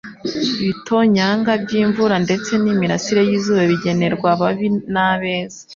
ibitonyanga by'imvura ndetse n'imirasire y'izuba bigenerwa ababi n'abeza.